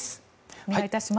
お願いいたします。